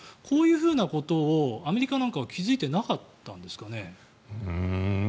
こういうふうなことをアメリカなんかは気付いていなかったんですかね。